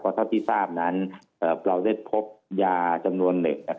เท่าที่ทราบนั้นเราได้พบยาจำนวนหนึ่ง